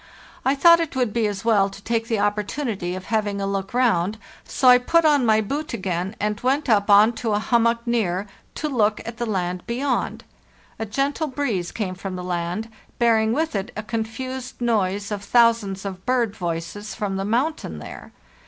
I thought it would be as well to take the opportunity of having a look round, so I put on my boot again and went up on to a hummock near to look at the land beyond. A gentle breeze came from the land, bearing with it a confused noise of thousands of bird voices from the mountain there.